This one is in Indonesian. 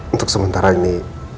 untuk sementara ini